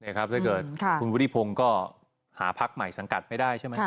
เนี่ยครับถ้าเกิดค่ะคุณวุฒิพงษ์ก็หาพักใหม่สังกัดไม่ได้ใช่ไหม